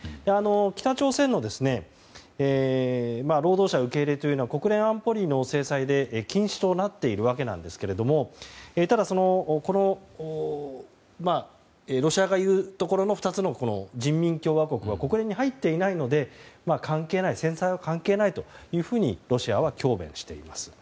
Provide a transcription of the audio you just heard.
北朝鮮の労働者受け入れというのは国連安保理の制裁で禁止となっているんですがただ、ロシアが言うところの２つの人民共和国は国連に入っていないので制裁は関係ないというふうにロシアは強弁しています。